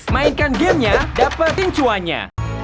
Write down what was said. mainkan gamenya dapet pincuannya